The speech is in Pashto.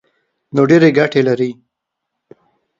نو ډېرې ګټې لري.